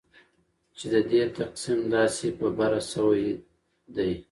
چې ددې تقسیم داسي په بره سویدي